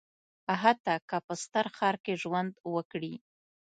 حتی که په ستر ښار کې ژوند وکړي.